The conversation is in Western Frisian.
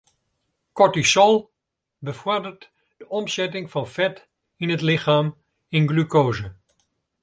Kortisol befoarderet de omsetting fan fet yn it lichem yn glukoaze.